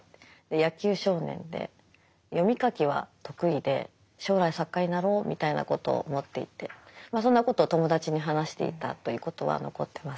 野球少年で読み書きは得意で将来作家になろうみたいなことを思っていてまあそんなことを友達に話していたということは残ってます。